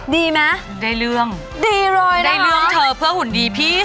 ดีเรื่องเพื่อหุ่นดีพีซ์